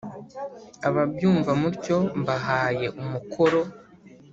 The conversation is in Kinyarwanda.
.Ababyumva mutyo mbahaye umukoro